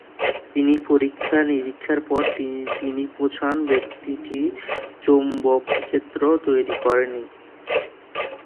তিনি পরীক্ষা-নিরীক্ষার পর তিনি পৌঁছান ব্যক্তিটি চৌম্বক ক্ষেত্র তৈরি করেনি।